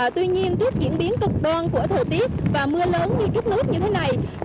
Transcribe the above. tuy nhiên tuyết diễn biến cực đoan của thời tiết và mưa lớn như trước nước như thế này